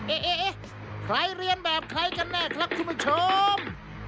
เอ๊ะใครเรียนแบบใครกันแน่ครับคุณผู้ชม